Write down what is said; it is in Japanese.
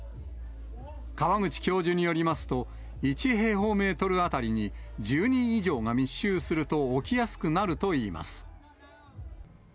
川口教授によりますと、１平方メートル当たりに、１０人以上が密集すると起きやすくなるといいます。